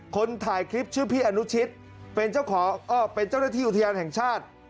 คนถ่ายคลิปชื่อพี่อนุชิตเป็นเจ้าหน้าที่อุทยานแห่งชาติ